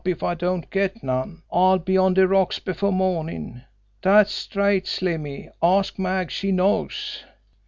If I don't get none I'll be on de rocks before mornin'! Dat's straight, Slimmy ask Mag, she knows."